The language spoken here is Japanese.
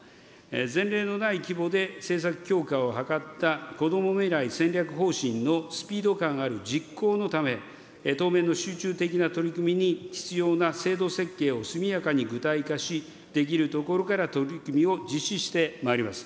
前例のない規模で政策強化を図ったこども未来戦略方針のスピード感ある実行のため、当面の集中的な取り組みに必要な制度設計を速やかに具体化し、できるところから取り組みを実施してまいります。